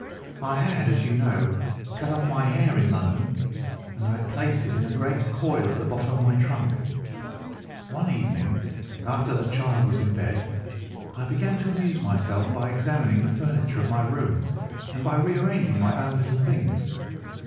I had, as you know, cut off my hair in London, and I had placed it in a great coil at the bottom of my trunk. One evening, after the child was in bed, I began to amuse myself by examining the furniture of my room and by rearranging my own little things.